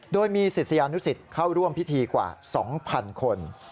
โดยมีศิษยานุสิตเข้าร่วมพิธีกว่า๒๐๐๐คน